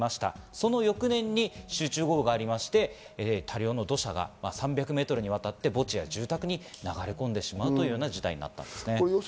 その翌年に集中豪雨があり、多量の土砂が３００ｍにわたり流れ込んでしまうという事態になったんです。